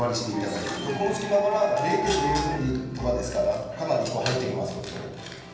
この隙間から０．０６ミリとかですからかなり入ってきますのでね。